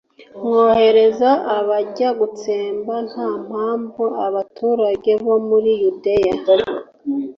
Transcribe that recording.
nkohereza abajya gutsemba nta mpamvu abaturage bo muri yudeya